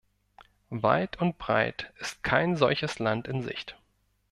Weit und breit ist kein solches Land in Sicht.